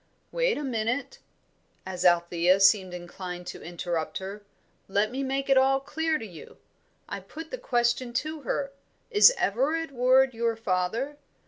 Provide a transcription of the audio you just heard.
Wait a minute" as Althea seemed inclined to interrupt her "let me make it all clear to you. I put the question to her, 'Is Everard Ward your father?'